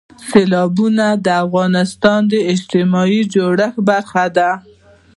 سیلابونه د افغانستان د اجتماعي جوړښت برخه ده.